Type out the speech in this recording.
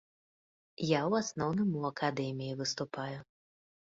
Я ў асноўным у акадэміі выступаю.